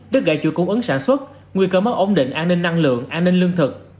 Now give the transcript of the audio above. đất gãy chuỗi cung ứng sản xuất nguy cơ mất ổn định an ninh năng lượng an ninh lương thực